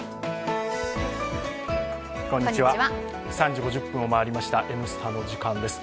３時５０分を回りました「Ｎスタ」の時間です。